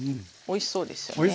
おいしそうですよね。